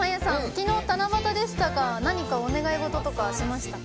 昨日、七夕でしたが何かお願い事とかしましたか？